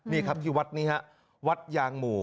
นี่ครับที่วัดนี้ฮะวัดยางหมู่